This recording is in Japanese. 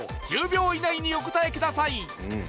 １０秒以内にお答えください